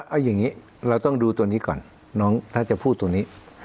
เอาอย่างนี้เราต้องดูตัวนี้ก่อนน้องถ้าจะพูดตัวนี้